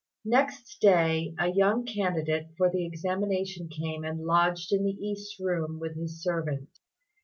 Next day, a young candidate for the examination came and lodged in the east room with his servant.